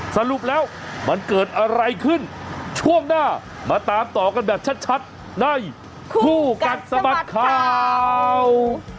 สรุปแล้วมันเกิดอะไรขึ้นช่วงหน้ามาตามต่อกันแบบชัดในคู่กัดสะบัดข่าว